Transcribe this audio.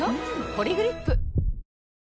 「ポリグリップ」